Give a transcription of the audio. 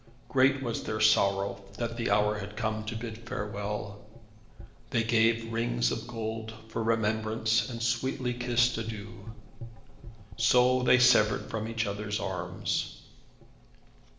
Great was their sorrow that the hour had come to bid farewell. They gave rings of gold for remembrance, and sweetly kissed adieu. So they severed from each other's arms.